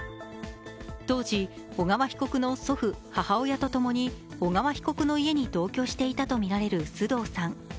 当時、小川被告の祖父、母親とともに小川被告の家に同居していたとみられる須藤さん。